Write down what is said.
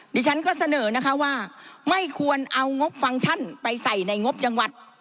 ดิฉันก็เสนอนะคะว่าไม่ควรเอางบฟังก์ชั่นไปใส่ในงบจังหวัด